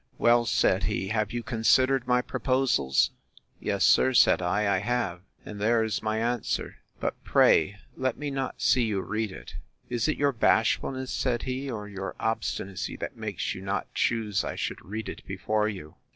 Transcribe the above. Well, said he, have you considered my proposals? Yes, sir, said I, I have: and there is my answer: But pray let me not see you read it. Is it your bashfulness, said he, or your obstinacy, that makes you not choose I should read it before you?